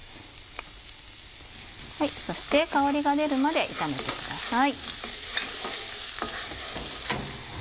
そして香りが出るまで炒めてください。